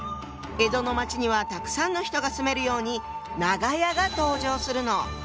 江戸の町にはたくさんの人が住めるように「長屋」が登場するの。